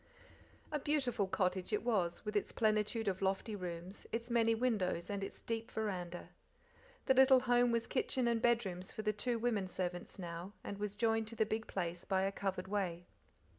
A beautiful cottage it was, with its plenitude of lofty rooms, its many windows, and its deep veranda. The little home was kitchen and bedrooms for the two women servants now, and was joined to the big place by a covered way.